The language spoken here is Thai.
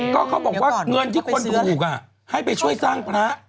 ก็เขาบอกว่าเงินที่คนถูกให้ไปช่วยสร้างพระ